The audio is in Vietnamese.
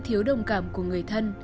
thiếu đồng cảm của người thân